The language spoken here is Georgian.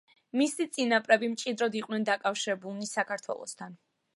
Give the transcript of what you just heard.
მისი წინაპრები მჭიდროდ იყვნენ დაკავშირებულნი საქართველოსთან.